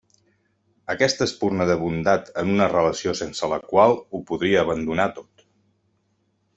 És aquesta espurna de bondat en una relació sense la qual ho podria abandonar tot.